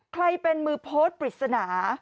ใครเป็นมือโพสต์ปริศนา